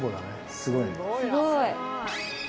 すごい。